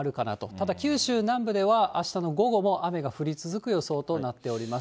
ただ九州南部ではあしたの午後も雨が降り続く予想となっております。